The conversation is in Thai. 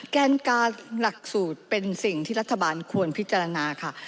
แกนการหลักสูตรเป็นสิ่งที่รัฐบาลควรพิจารณาค่ะ